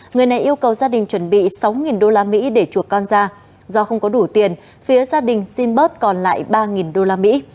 người này yêu cầu gia đình chuẩn bị sáu usd để chuột con ra do không có đủ tiền phía gia đình xin bớt còn lại ba usd